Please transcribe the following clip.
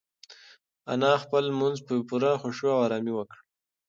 انا خپل لمونځ په پوره خشوع او ارامۍ وکړ.